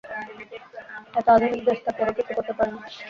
এত আধুনিক দেশ তারপরও কিছু করতে পারেনি।